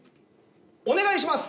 お願いします！